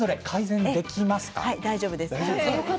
大丈夫です。